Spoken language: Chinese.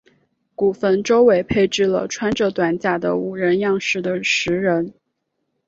古坟周围配置了穿着短甲的武人样式的石人。